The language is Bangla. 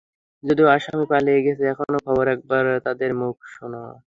যদিও আসামি পালিয়ে গেছে এমন খবরও একবার তাদের মুখ থেকে শোনা গিয়েছিল।